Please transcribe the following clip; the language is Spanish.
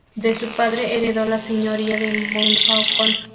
De su padre heredó la señoría de Montfaucon.